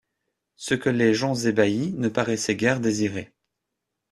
Ce que les gens ébahis ne paraissaient guère désirer.